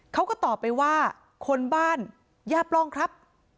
เขาก็ตอบไปว่าคนบ้านย่าปล้องครับ